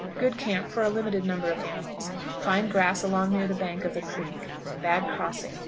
Good camp for a limited number of animals; fine grass along near the bank of the creek. Bad crossing.